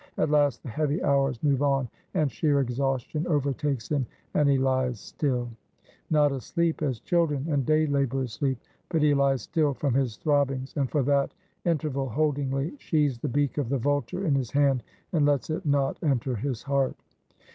At last the heavy hours move on; and sheer exhaustion overtakes him, and he lies still not asleep as children and day laborers sleep but he lies still from his throbbings, and for that interval holdingly sheaths the beak of the vulture in his hand, and lets it not enter his heart.